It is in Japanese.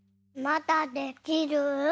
まだできる？